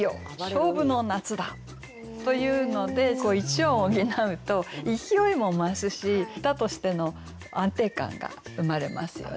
勝負の夏だ」というので１音補うと勢いも増すし歌としての安定感が生まれますよね。